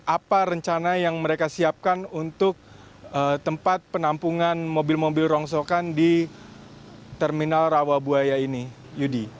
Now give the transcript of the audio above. apa rencana yang mereka siapkan untuk tempat penampungan mobil mobil rongsokan di terminal rawabuaya ini yudi